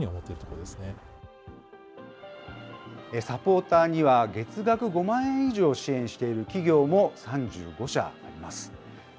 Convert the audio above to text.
サポーターには、月額５万円以上支援している企業も３５社あります。